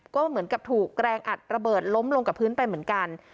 ก็เหมือนกับถูกแรงอัดระเบิดล้มลงกับพื้นไปเหมือนกัน